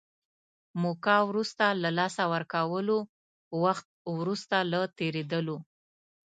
موقعه وروسته له لاسه ورکولو، وخت وروسته له تېرېدلو.